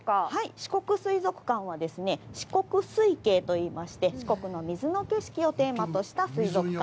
四国水族館はですね、四国水景といいまして、四国の水の景色をテーマとした水族館。